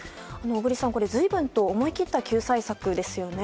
小栗さん、随分と思い切った救済策ですよね。